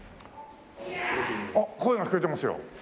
あっ声が聞こえてますよ。